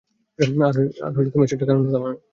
আর সেটার কারন হতাম আমি।